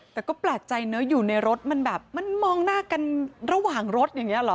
แต่ก็แปลกใจเนอะอยู่ในรถมันแบบมันมองหน้ากันระหว่างรถอย่างนี้เหรอ